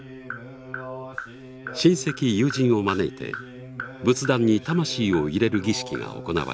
親戚友人を招いて仏壇に魂を入れる儀式が行われた。